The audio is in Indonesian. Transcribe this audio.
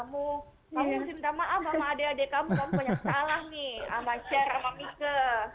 kamu minta maaf sama adik adik kamu kamu banyak salah nih sama sher sama mika